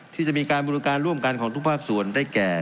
ที่จะมีการบริการร่วมกันของทุกภาคส่วนได้แก่